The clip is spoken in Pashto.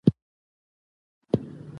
محمد عارف ډېر زده کوونکی ټولنې ته روزلي